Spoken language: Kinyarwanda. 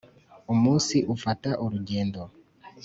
umunsi ufata urugendo